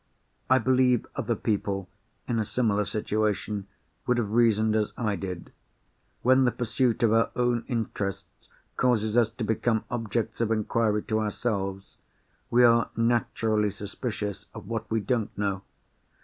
I believe other people, in a similar situation, would have reasoned as I did. When the pursuit of our own interests causes us to become objects of inquiry to ourselves, we are naturally suspicious of what we don't know.